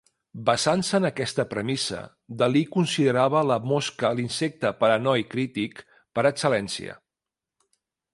Basant-se en aquesta premissa, Dalí considerava la mosca l'insecte paranoic-crític per excel·lència.